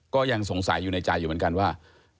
ก็ยังสงสัยอยู่ในใจอยู่เหมือนกันว่า